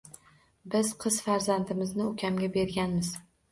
Biz qiz farzandimizni ukamga berganmiz.